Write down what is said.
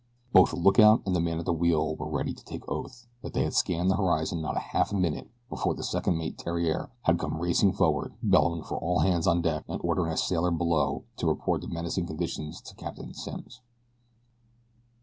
Both the lookout and the man at the wheel were ready to take oath that they had scanned the horizon not a half minute before Second Mate Theriere had come racing forward bellowing for all hands on deck and ordering a sailor below to report the menacing conditions to Captain Simms.